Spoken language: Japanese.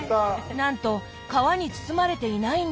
なんと皮に包まれていないんです。